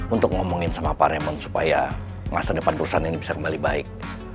untuk ngomongin sama pak remond supaya masa depan perusahaan ini bisa kembali baik